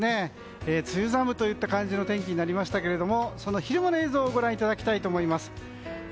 梅雨寒といった感じの天気になりましたけどもその昼間の映像をご覧いただきたいと思います。